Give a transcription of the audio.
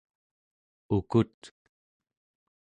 ukut